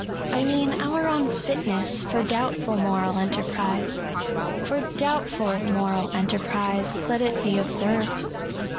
I mean our unfitness for doubtful moral enterprise. For dovbtful moral enterprise, let it be observed.